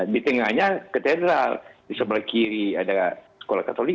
di tengahnya katedral di sebelah kiri ada sekolah katolik